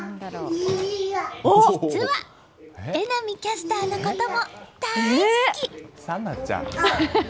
実は、榎並キャスターのことも大好き！